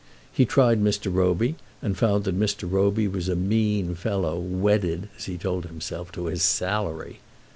He tried Mr. Roby, and found that Mr. Roby was a mean fellow, wedded, as he told himself, to his salary.